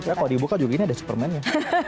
kalau dibuka juga ini ada superman ya